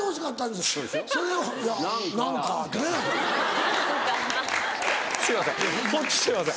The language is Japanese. すいません